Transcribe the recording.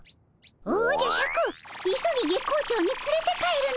おじゃシャク急ぎ月光町に連れて帰るのじゃ。